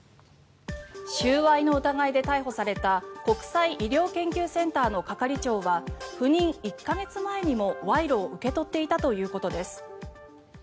収賄の疑いで逮捕された国際医療研究センターの係長は赴任１か月前にも、賄賂を受け取っていたということです。